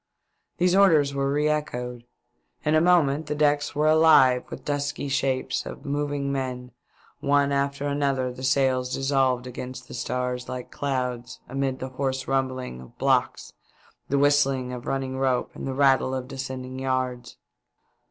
These orders were re echoed. In a moment the decks were alive with dusky shapes of moving men ; one after another the sails dissolved against the stars like clouds, amid the hoarse rumbling of blocks, the whistling of running ropes, the rattle of descending yards.